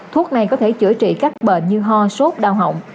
thuốc này có thể chữa trị các bệnh như ho sốt đau họng